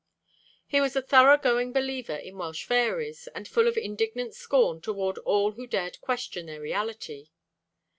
He was a thorough going believer in Welsh fairies, and full of indignant scorn toward all who dared question their reality.